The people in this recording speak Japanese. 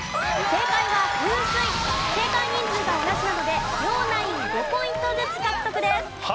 正解人数が同じなので両ナイン５ポイントずつ獲得です。